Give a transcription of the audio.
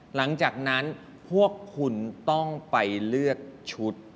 หลังจากนั้นพวกคุณต้องไปเลือกชุด